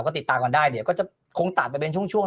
ก็ติดตามกันได้เดี๋ยวก็จะคงตัดไปเป็นช่วง